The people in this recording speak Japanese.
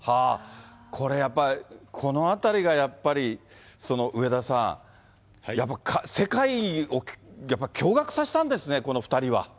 これやっぱ、このあたりやっぱり上田さん、やっぱり世界を驚がくさせたんですね、この２人は。